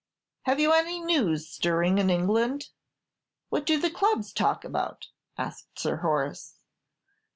"Have you any news stirring in England? What do the clubs talk about?" asked Sir Horace.